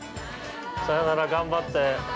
さよなら頑張って。